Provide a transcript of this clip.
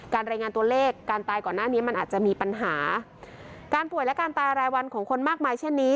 รายงานตัวเลขการตายก่อนหน้านี้มันอาจจะมีปัญหาการป่วยและการตายรายวันของคนมากมายเช่นนี้